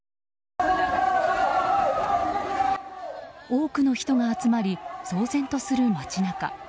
多くの人が集まり騒然とする街中。